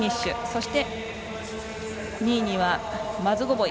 そして２位にはマズゴボイ。